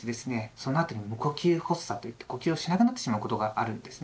そのあとに「無呼吸発作」といって呼吸をしなくなってしまうことがあるんですね。